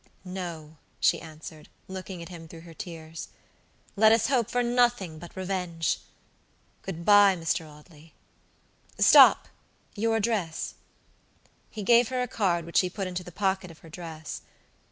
"No," she answered, looking at him through her tears, "let us hope for nothing but revenge. Good by, Mr. Audley. Stop; your address." He gave her a card, which she put into the pocket of her dress.